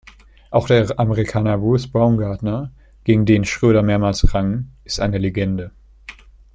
Auch der Amerikaner Bruce Baumgartner, gegen den Schröder mehrmals rang, ist eine Legende.